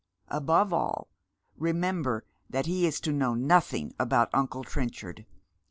Above all, re member that he is to know nothing about uncle Trenchard.